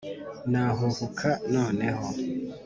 Nahuhuka noneho